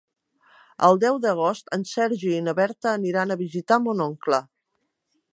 El deu d'agost en Sergi i na Berta aniran a visitar mon oncle.